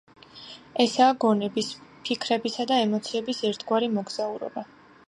ესაა გონების, ფიქრებისა და ემოციების ერთგვარი მოგზაურობა.